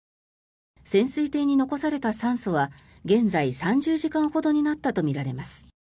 潜水艇に残された酸素は現在、３０時間ほどになったとみられます。